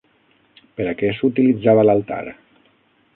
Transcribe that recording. Per a què s'utilitzava l'altar?